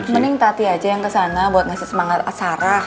mending tati aja yang kesana buat ngasih semangat sarah